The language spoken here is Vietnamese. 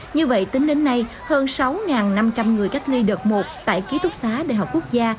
như vậy tính đến nay hơn sáu năm trăm linh người cách ly đợt một tại ký túc xá đại học quốc gia